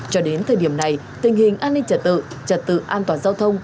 cho đến thời điểm này tình hình an ninh trật tự trật tự an toàn giao thông